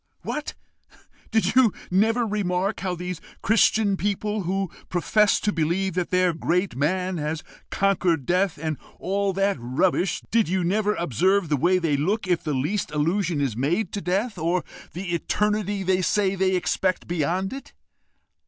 "What! did you never remark how these Christian people, who profess to believe that their great man has conquered death, and all that rubbish did you never observe the way they look if the least allusion is made to death, or the eternity they say they expect beyond it?